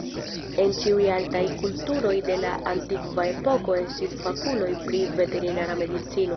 En ĉiuj altaj kulturoj de la antikva epoko estis fakuloj pri veterinara medicino.